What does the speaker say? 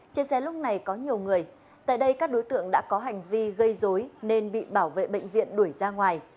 trên xe lúc này có nhiều người tại đây các đối tượng đã có hành vi gây dối nên bị bảo vệ bệnh viện đuổi ra ngoài